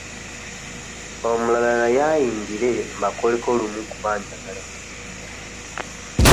Omulala naye ayingire mbakoleko lumu kuba njagala kugenda.